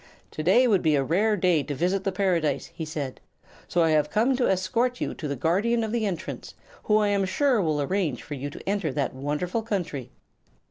"Today will be a rare day to visit the Paradise," he said; "so I have come to escort you to the Guardian of the Entrance, who I am sure will arrange for you to enter that wonderful country."